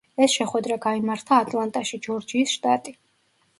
ეს შეხვედრა გაიმართა ატლანტაში, ჯორჯიის შტატი.